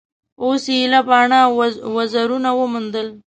اوس یې ایله باڼه او وزرونه وموندل